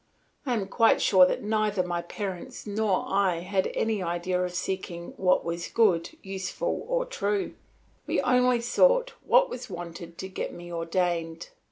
I am quite sure that neither my parents nor I had any idea of seeking after what was good, useful, or true; we only sought what was wanted to get me ordained.